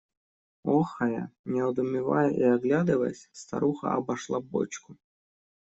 Охая, недоумевая и оглядываясь, старуха обошла бочку.